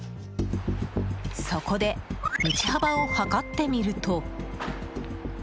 そこで、道幅を測ってみると。